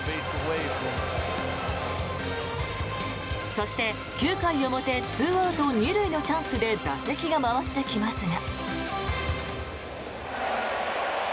そして９回表２アウト２塁のチャンスで打席が回ってきますが。